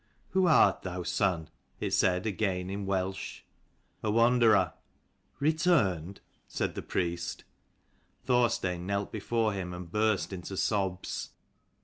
" Who art thou, son ?" it said again in Welsh. " A wanderer." " Returned?" said the priest. Thorstein knelt before him and burst into sobs.